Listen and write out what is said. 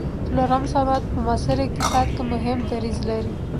څلورم صنعت په معاصر اقتصاد کې مهم دریځ لري.